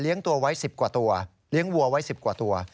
เลี้ยงตัวไว้๑๐กว่าตัว